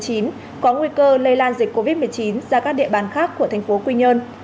cơ lây lan dịch covid một mươi chín ra các địa bàn khác của tp quy nhơn